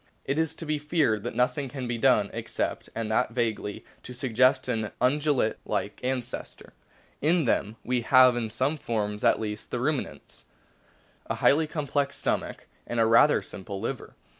It is to be feared that nothing can be done except, and that vaguely, to suggest an Ungulate like ancestor. In them we have in some forms, at least the Ruminants, a highly complex stomach and a rather simple liver.